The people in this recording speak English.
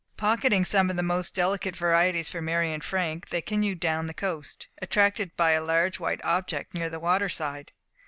Pocketing some of the most delicate varieties for Mary and Frank, they continued down the coast, attracted by a large white object near the water side.